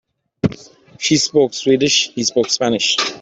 She spoke Swedish, he spoke Spanish.